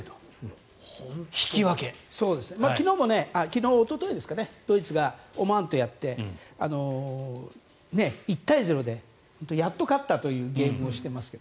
昨日、おとといドイツがオマーンとやって１対０でやっと勝ったというゲームをやっていますが。